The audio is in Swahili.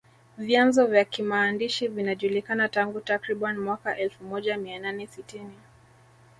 vyanzo vya kimaandishi vinajulikana tangu takriban mwaka elfu moja mia nane sitini